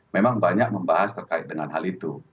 memang banyak membahas terkait dengan hal itu